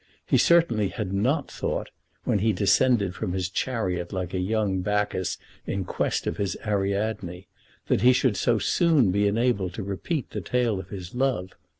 He certainly had not thought, when he descended from his chariot like a young Bacchus in quest of his Ariadne, that he should so soon be enabled to repeat the tale of his love.